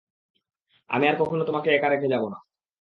আমি আর কখনো তোমাকে একা রেখে যাবো না!